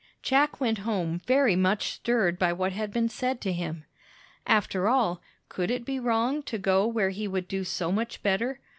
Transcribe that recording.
Jack went home very much stirred by what had been said to him. After all, could it be wrong to go where he would do so much better?